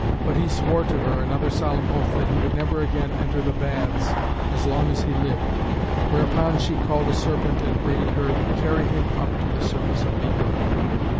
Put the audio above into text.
But he swore to her another solemn oath that he would never again enter the baths as long as he lived; whereupon she called a serpent and bade her carry him up to the surface of the earth.